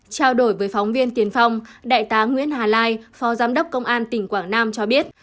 trao đổi với phóng viên tiền phong đại tá nguyễn hà lai phó giám đốc công an tỉnh quảng nam cho biết